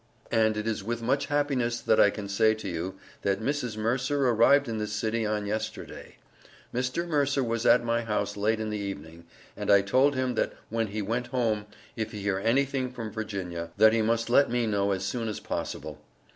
And it is with much happiness that I can say to you that Mrs. Mercer arrived in this city on yesterday. Mr. Mercer was at my house late in the evening, and I told him that when he went home if hear anything from Virginia, that he must let me know as soon as possible.